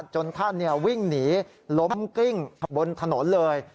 จนท่านวิ่งหนีล้มกลิ้งบนถนนเลย